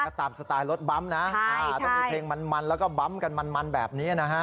ก็ตามสไตล์รถบั๊มนะต้องมีเพลงมันแล้วก็บั๊มกันมันแบบนี้นะฮะ